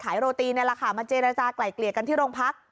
ขายโรตีนในราคามะเจรจากลายเกลียดกันที่โรงพัก